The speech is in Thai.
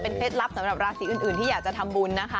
เคล็ดลับสำหรับราศีอื่นที่อยากจะทำบุญนะคะ